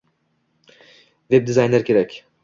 Veb -dizayner kerak